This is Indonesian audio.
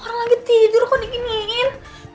orang lagi tidur kok dikiniin